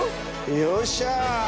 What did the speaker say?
よっしゃ！